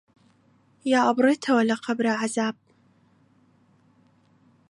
یا ئەبڕێتەوە لە قەبرا عەزاب